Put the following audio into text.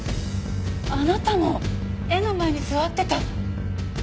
あなたも絵の前に座ってた！